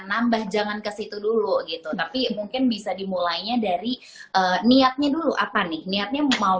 nambah jangan ke situ dulu gitu tapi mungkin bisa dimulainya dari niatnya dulu apa nih niatnya mau